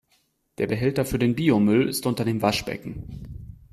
Der Behälter für den Biomüll ist unter dem Waschbecken.